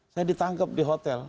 saya ditangkep di hotel